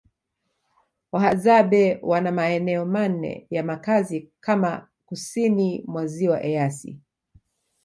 Wahadzabe wana maeneo manne ya makazi kame kusini mwa Ziwa Eyasi